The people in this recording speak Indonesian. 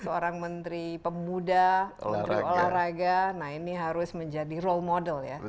seorang menteri pemuda menteri olahraga nah ini harus menjadi role model ya